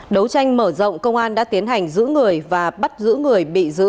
đấu tranh mở rộng công an đã tiến hành giữ người và bắt giữ người bị giữ